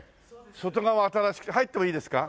外側は新しくて入ってもいいですか？